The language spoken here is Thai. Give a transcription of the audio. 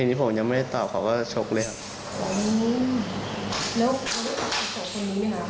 ทีนี้ผมยังไม่ได้ตอบเขาก็ชกเลยครับอืมแล้วเขารู้จักอีกสองคนนี้ไหมครับ